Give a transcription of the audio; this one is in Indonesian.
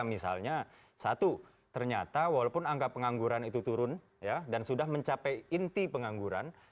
misalnya satu ternyata walaupun angka pengangguran itu turun dan sudah mencapai inti pengangguran